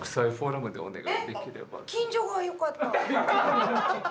えっ近所がよかった。